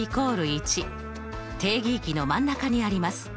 １定義域の真ん中にあります。